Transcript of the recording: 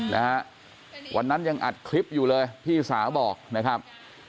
นะฮะวันนั้นยังอัดคลิปอยู่เลยพี่สาวบอกนะครับ